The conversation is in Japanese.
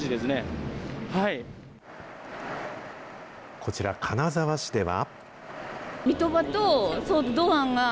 こちら、金沢市では。